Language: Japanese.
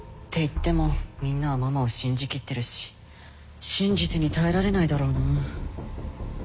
っていってもみんなはママを信じきってるし真実に耐えられないだろうな。